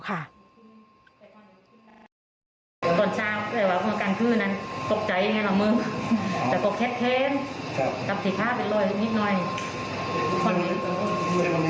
ไปตอนนี้อยู่บรรทุนอีกครั้งอิสเตอรี่อยู่แล้วก็อ่า